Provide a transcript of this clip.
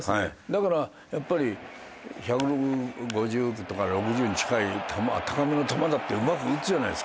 だからやっぱり１５０とか１６０に近い球高めの球だってうまく打つじゃないですか。